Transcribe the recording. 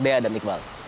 bea dan iqbal